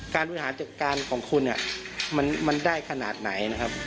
บริหารจัดการของคุณเนี่ยมันได้ขนาดไหนนะครับ